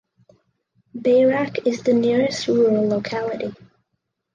Bayrak is the nearest rural locality.